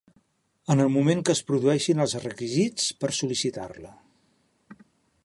En el moment que es produeixin els requisits per sol·licitar-la.